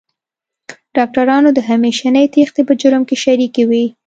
ډاکټرانو د همېشنۍ تېښتې په جرم کې شریکې وې.